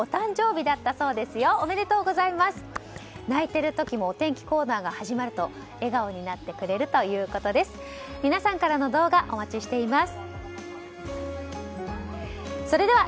泣いている時もお天気コーナーが始まると笑顔になってくれるということです。